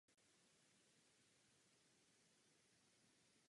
V centrální parkové části lázní vyvěrá šest pramenů minerálních vod.